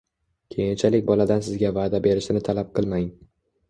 Keyinchalik boladan sizga vaʼda berishini talab qilmang!